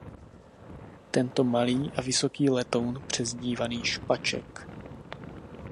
Tento malý a vysoký letoun přezdívaný „špaček“.